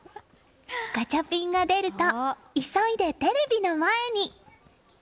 ガチャピンが出ると急いでテレビの前に。